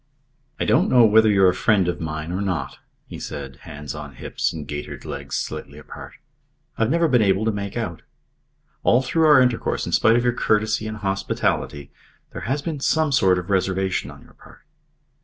"I don't know whether you're a friend of mine or not," he said, hands on hips and gaitered legs slightly apart. "I've never been able to make out. All through our intercourse, in spite of your courtesy and hospitality, there has been some sort of reservation on your part."